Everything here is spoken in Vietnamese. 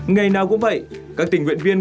ngày nào cũng vậy các tình nguyện viên